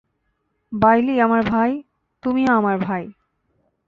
বাইলি আমার ভাই, তুমিও আমার ভাই।